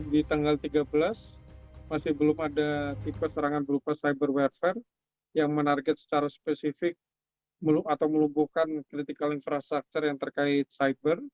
di tanggal tiga belas masih belum ada tipe serangan berupa cyber webfare yang menarget secara spesifik atau melumpuhkan clitical infrastructure yang terkait cyber